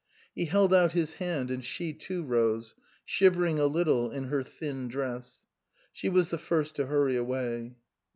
He held out his hand, and she too rose, shivering a little in her thin dress. She was the first to hurry away.